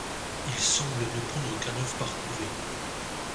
Il semble ne pondre qu’un œuf par couvée.